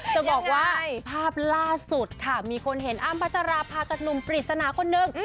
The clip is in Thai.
จะบอกว่าภาพล่าสุดค่ะมีคนเห็นอ้ำพัชราภากับหนุ่มปริศนาคนนึง